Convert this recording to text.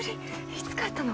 いつ帰ったの？」